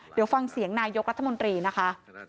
เดี๋ยวฟังเสียงนายกรัฐมนตรีนะคะ